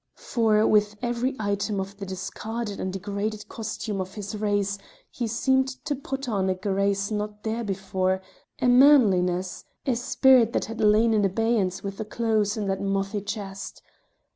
For with every item of the discarded and degraded costume of his race he seemed to put on a grace not there before, a manliness, a spirit that had lain in abeyance with the clothes in that mothy chest.